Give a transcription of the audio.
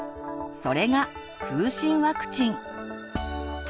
それが「風疹ワクチン」。